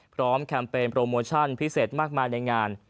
แคมเปญโปรโมชั่นพิเศษมากมายในงาน